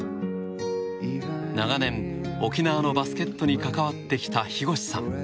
長年、沖縄のバスケットに関わってきた日越さん。